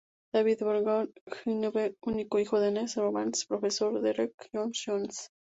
David en Bangor, Gwynedd, hijo único de Nest Rowlands, profesor, y Derek John Jones.